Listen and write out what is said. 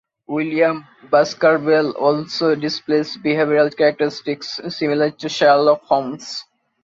William of Baskerville also displays behavioral characteristics similar to Sherlock Holmes'.